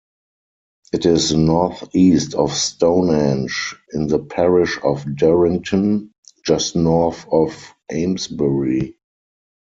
It is north-east of Stonehenge in the parish of Durrington, just north of Amesbury.